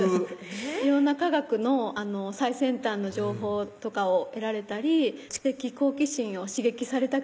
色んな科学の最先端の情報とかを得られたり知的好奇心を刺激された